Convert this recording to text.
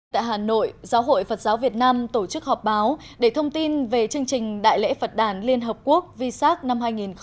tại hà nội giáo hội phật giáo việt nam tổ chức họp báo để thông tin về chương trình đại lễ phật đàn liên hợp quốc v sac năm hai nghìn một mươi chín